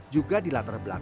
juga dilantar belakang